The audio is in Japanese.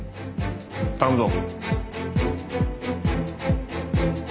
頼むぞ。